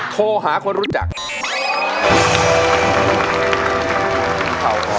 โทรหาคนรู้จัก